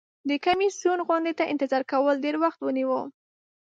د کمیسیون غونډې ته انتظار کول ډیر وخت ونیو.